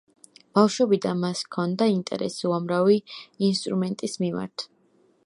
ბავშვობიდან მას ჰქონდა ინტერესი უამრავი ინსტრუმენტის მიმართ.